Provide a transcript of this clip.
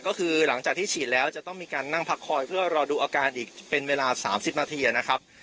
ก็คือหลังจากที่ฉีดแล้วจะต้องมีการนั่งพักคอยเพื่อรอดูอาการอีกเป็นเวลา๓๐นาทีนะครับ